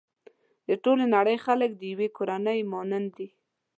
د ټولې نړۍ خلک د يوې کورنۍ مانند دي.